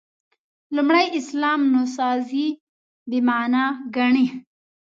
لومړي اسلام نوسازي «بې معنا» ګڼي.